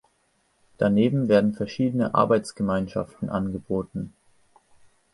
Daneben werden verschiedene Arbeitsgemeinschaften angeboten.